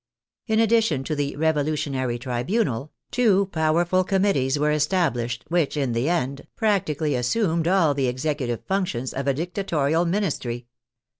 In addition to the " Revolutionary Tribunal," two pow erful committees were established which, in the end, prac tically assumed all the executive functions of a dictatorial ministry.